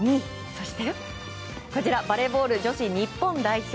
そして、こちらバレーボール女子日本代表。